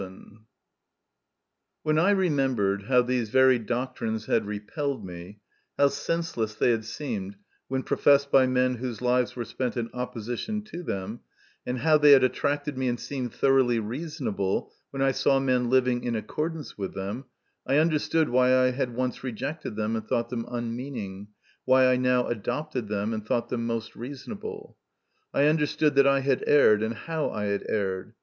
XL When I remembered how these very doc trines had repelled me, how senseless they had seemed when professed by men whose lives were spent in opposition to them, and how they had attracted me and seemed thoroughly reasonable when I saw men living in accordance with them, I understood why I had once rejected them and thought them unmeaning, why I now adopted them and thought them most reasonable. I understood that I had erred, and how I had erred.